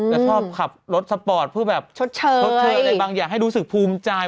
แต่ชอบขับรถสปอร์ตเพื่อแบบชดเชยชดเชยอะไรบางอย่างให้รู้สึกภูมิใจ